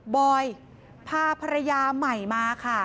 บอยพาภรรยาใหม่มาค่ะ